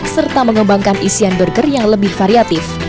serta mengembangkan isian burger yang lebih variatif